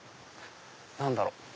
何だろう？